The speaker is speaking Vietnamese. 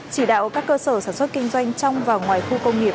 chỉ đạo các cơ sở sản xuất kinh doanh trong và ngoài khu công nghiệp